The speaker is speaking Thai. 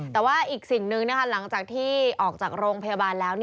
แต่ว่าอีกสิ่งหนึ่งหลังจากที่ออกจากโรงพยาบาลแล้ว